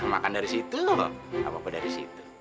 makan dari situ loh apa apa dari situ